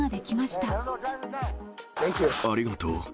ありがとう。